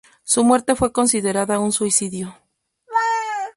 Su muerte fue considerada un suicidio.